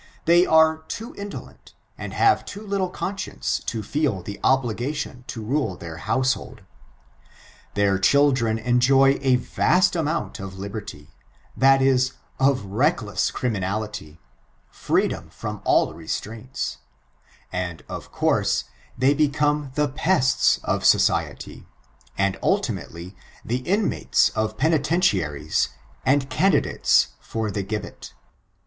They are too indolent, and have too little conscience to feel the obligation to rule their household. Their children enjoy a vast amount of liberty — that is, of reckless criminality — fi^eedom from all restraints ; and, of course, they become the pests of society, and, ultimately the inmates of penitentiaries and candidates for the gibbet.